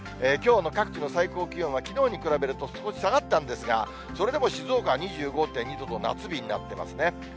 きょうの各地の最高気温はきのうに比べると少し下がったんですが、それでも静岡は２５．２度と、夏日になってますね。